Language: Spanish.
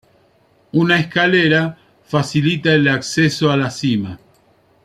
Una escalera facilita el acceso a la cima.